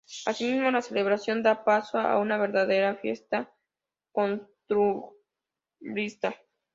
Así mismo, la celebración da paso a una verdadera fiesta costumbrista.